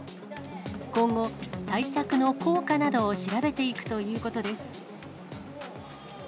今後、対策の効果などを調べていくということです。